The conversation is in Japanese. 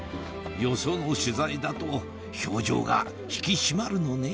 よその取材だと表情が引き締まるのね